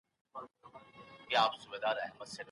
وچې مېوې تر تازه مېوو ډېره زیاته کالري لري.